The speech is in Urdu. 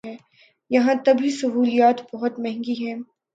یہاں طبی سہولیات بہت مہنگی ہیں۔